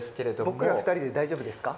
僕ら２人で大丈夫ですか？